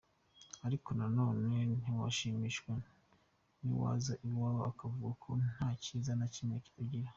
Ariko na none ntiwashimishwa n’uwaza iwawe akavuga ko nta cyiza na kimwe ugira.